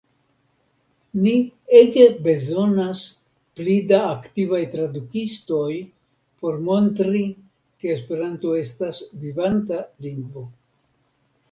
Ni ege bezonas pli da aktivaj tradukistoj por montri ke Esperanto estas vivanta lingvo.